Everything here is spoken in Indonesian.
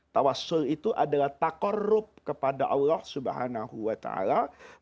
tawassul itu adalah takorub kepada allah subhanahu wa taala